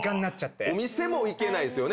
お店も行けないですよね。